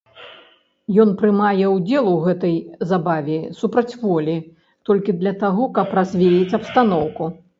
Ён прымае ўдзел у гэтай забаве супраць волі, толькі для таго каб развеяць абстаноўку.